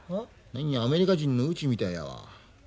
何やアメリカ人のうちみたいやわ。